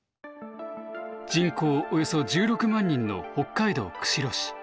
人口およそ１６万人の北海道釧路市。